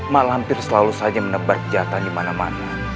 malamir selalu saja menebar kejahatan di mana mana